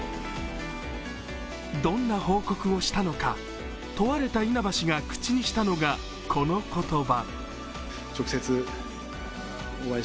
どんな報告をしたのか、問われた稲葉氏が口にしたのがこの言葉。